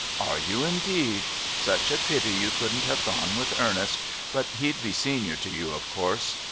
"Are you, indeed? Such a pity you couldn't have gone with Ernest but he'd be senior to you, of course...